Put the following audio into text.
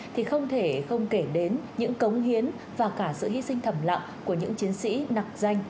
thì không thể không kể đến những cống hiến và cả sự hy sinh thầm lặng của những chiến sĩ nạc danh